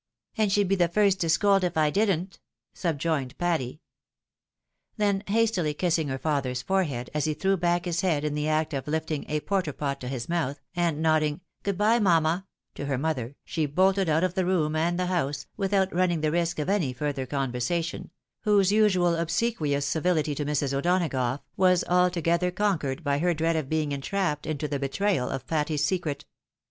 " And she'd be the first to scold, if I didn't," subjoined Patty. Then hastily kissing her father's forehead, as he threw back his head iij the act of hfting a porter pot to his mouth, and nodding " Good bye, mamma," to her mother, she bolted out of the room and the house, without running the risk of any further conversation, and was followed by her friend, whose usual obsequious civihty to Mrs. O'Donagough, was altogether con quered by her dread of being entrapped into the betrayal of Patty's secret.